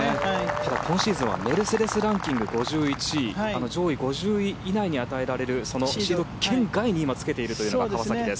ただ、今シーズンはメルセデス・ランキング５１位上位５０位以内に与えられるシード圏外に今つけているのが川崎です。